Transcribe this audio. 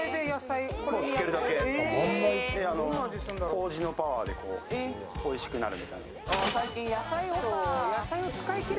こうじのパワーでおいしくなる。